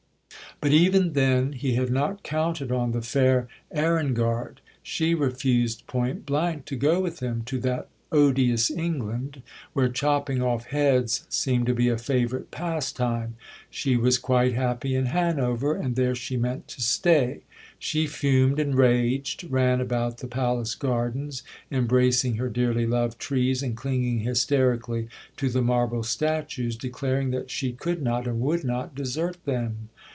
But even then he had not counted on the "fair" Ehrengard. She refused point blank to go with him to that "odious England," where chopping off heads seemed to be a favourite pastime. She was quite happy in Hanover, and there she meant to stay. She fumed and raged, ran about the Palace gardens, embracing her dearly loved trees and clinging hysterically to the marble statues, declaring that she could not and would not desert them.